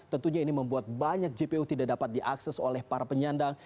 tentunya ini membuat banyak jpo tidak dapat diakses oleh para penyandang